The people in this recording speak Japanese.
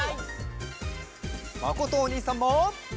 まことおにいさんも。